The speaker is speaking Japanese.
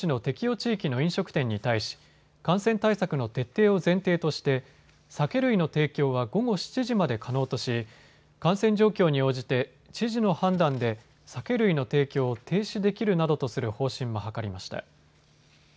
地域の飲食店に対し、感染対策の徹底を前提として酒類の提供は午後７時まで可能とし感染状況に応じて知事の判断で酒類の提供を停止できるなどとする方針も諮りました。